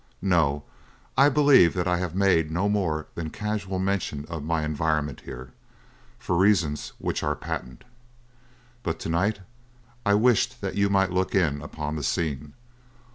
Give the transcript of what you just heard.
No, I believe that I have made no more than casual mention of my environment here, for reasons which are patent. But to night I wished that you might look in upon the scene.